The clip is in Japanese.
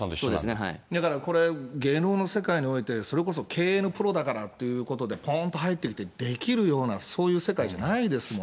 だからこれ、芸能の世界において、それこそ経営のプロだからということで、ぽんと入ってきてできるような、そういう世界じゃないですもの。